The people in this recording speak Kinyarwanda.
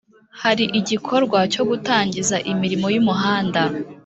Hari igikorwa cyo gutangiza imirimo y’umuhanda